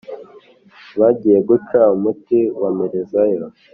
bagiye guca umuti wamperezayo